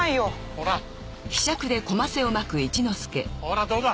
ほらどうだ？